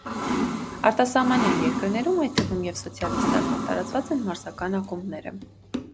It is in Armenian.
Արտասահմանյան երկրներում (այդ թվում՝ և սոցիալիստական) տարածված են մարզական ակումբներր։